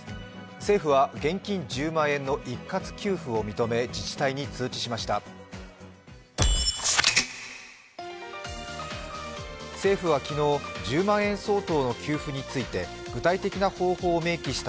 政府は現金１０万円の一括給付を認め自治体に通知しました。